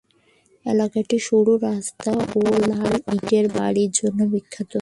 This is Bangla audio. এলাকাটি সরু রাস্তা ও লাল ইটের বাড়ির জন্য বিখ্যাত।